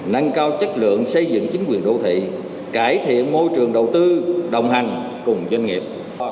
nâng cao chất lượng xây dựng chính quyền đô thị cải thiện môi trường đầu tư đồng hành cùng doanh nghiệp